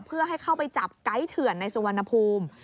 เพื่อให้เข้าไปจับไกด์เถื่อนในสุวรรณภูมิ